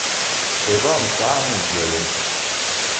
Iḍ-a nesεa inebgawen.